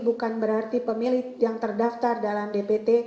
bukan berarti pemilih yang terdaftar dalam dpt